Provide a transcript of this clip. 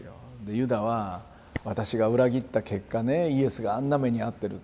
ユダは私が裏切った結果ねイエスがあんな目に遭ってると。